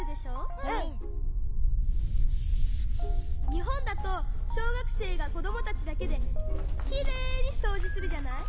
にほんだとしょうがくせいがこどもたちだけできれいにそうじするじゃない。